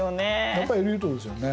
やっぱりエリートですよね。